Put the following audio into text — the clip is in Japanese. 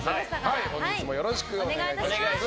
本日もよろしくお願いいたします。